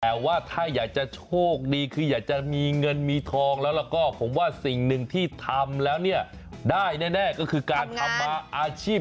แต่ว่าถ้าอยากจะโชคดีคืออยากจะมีเงินมีทองแล้วก็ผมว่าสิ่งหนึ่งที่ทำแล้วเนี่ยได้แน่ก็คือการทำมาอาชีพ